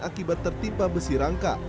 akibat tertimpa besi rangka